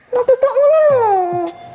mbak mbak lu loh